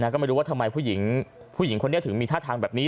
ก็ไม่รู้ว่าทำไมผู้หญิงคนนี้ถึงมีท่าทางแบบนี้